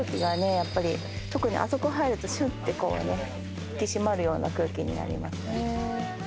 やっぱり特にあそこ入るとしゅって引き締まるような空気になります。